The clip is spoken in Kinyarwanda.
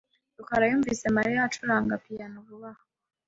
rukara yumvise Mariya acuranga piyano vuba aha .